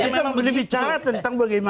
ini memang boleh bicara tentang bagaimana